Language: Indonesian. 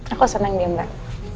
aku seneng mbak